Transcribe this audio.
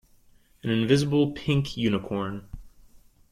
An invisible pink unicorn.